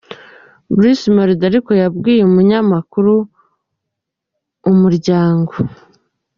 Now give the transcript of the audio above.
Bruce Melodie ariko yabwiye umunyamakuru wa Umuryango.